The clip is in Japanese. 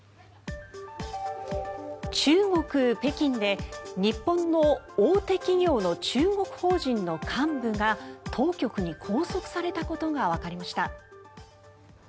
中国・北京で日本の大手企業の中国法人の幹部が当局に拘束されたことがわかりました。